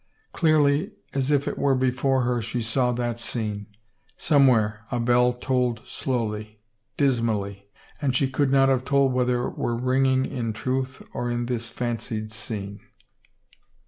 Clearly as if it were before her she saw that scene. Somewhere a bell tolled slowly, dismally, and she could not have told whether it were ringing in truth or in this fancied scene.